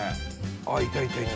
あっいたいたいた。